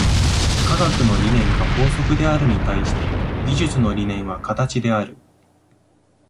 科学の理念が法則であるに対して、技術の理念は形である。